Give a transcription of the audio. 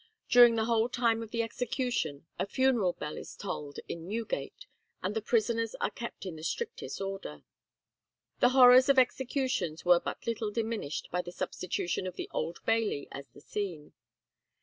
During the whole time of the execution a funeral bell is tolled in Newgate, and the prisoners are kept in the strictest order." The horrors of executions were but little diminished by the substitution of the Old Bailey as the scene.